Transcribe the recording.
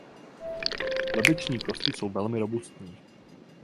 Lebeční kosti jsou velmi robustní.